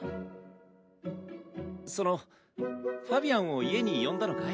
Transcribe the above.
そのファビアンを家に呼んだのかい？